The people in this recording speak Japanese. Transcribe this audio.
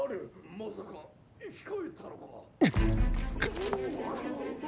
・まさか生き返ったのか⁉ッッ！！！